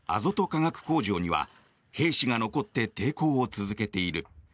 化学工場には兵士が残って抵抗を続けている。